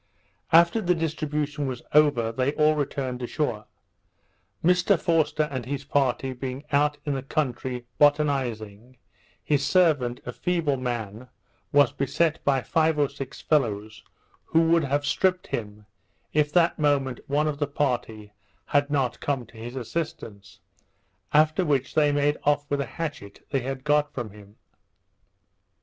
After the distribution was over, they all returned ashore. Mr Forster and his party being out in the country botanizing, his servant, a feeble man, was beset by five or six fellows, who would have stripped him, if that moment one of the party had not come to his assistance; after which they made off with a hatchet they had got from him.